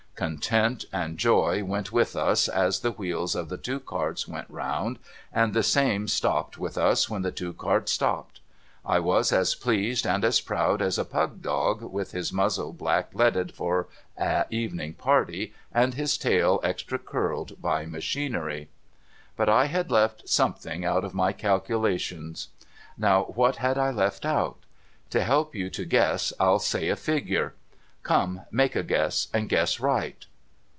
Content and joy went with us as the wheels of the two carts went round, and the same stopped with us when the two carts stopped. I was as pleased and as proud as a Pug Dog with his muzzle black leaded for a evening party, and his tail extra curled by machinery. 468 DOCTOR MARIGOLD But I had left something out of my calculations. Now, what had I left out? To help you to guess I'll say, a figure. Come. Make a guess and guess right.